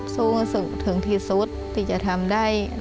สู้กันสุดถึงที่สุดที่จะทำได้